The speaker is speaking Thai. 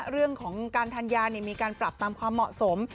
เรื่องของการทานยามีการปรับตามความเหมาะสม